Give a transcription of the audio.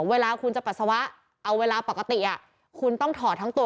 เวลาคุณจะปัสสาวะเอาเวลาปกติคุณต้องถอดทั้งตัว